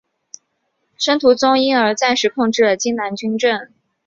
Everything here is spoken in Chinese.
申屠琮因而暂时控制了荆南军政。